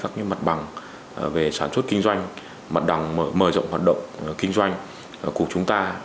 chúng ta hiện nay các mặt bằng về sản xuất kinh doanh mặt đẳng mở rộng hoạt động kinh doanh của chúng ta